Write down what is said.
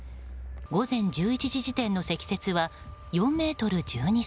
午前１１時時点の積雪は４ｍ１２ｃｍ。